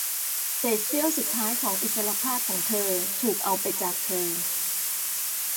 เศษเสี้ยวสุดท้ายของอิสรภาพของเธอถูกเอาไปจากเธอ